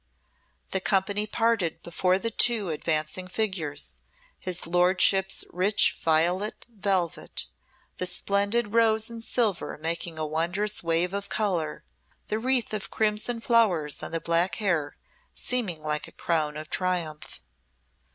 The company parted before the two advancing figures his lordship's rich violet velvet, the splendid rose and silver making a wondrous wave of colour, the wreath of crimson flowers on the black hair seeming like a crown of triumph.